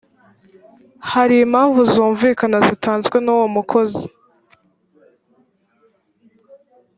hari impamvu zumvikana zitanzwe n uwo mukozi